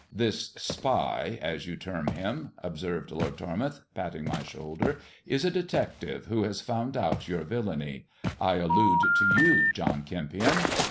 " This spy, as you term him," observed Lord Tormouth, patting my shoulder, "is a detective who has found out your villainy. I allude to you, John Kempion."